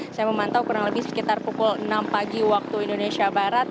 saya memantau kurang lebih sekitar pukul enam pagi waktu indonesia barat